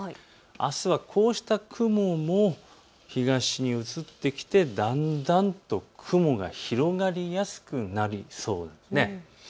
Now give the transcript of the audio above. あすはこうした雲も東に移ってきてだんだんと雲が広がりやすくなりそうです。